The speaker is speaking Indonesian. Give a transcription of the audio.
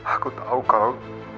aku tahu kalau